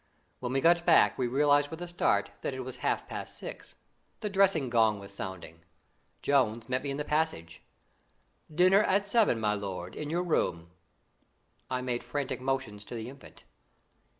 When we got back, we realised with a start that it was half past six. The dressing gong was sounding. Jones met me in the passage. "Dinner at seven, my lord, in your room." I made frantic motions to the Infant.